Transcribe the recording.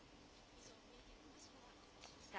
以上、三重県鳥羽市からお伝えしました。